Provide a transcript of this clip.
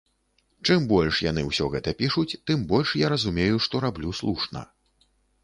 Чым больш яны ўсё гэта пішуць, тым больш я разумею, што раблю слушна.